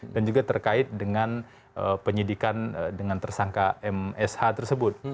juga terkait dengan penyidikan dengan tersangka msh tersebut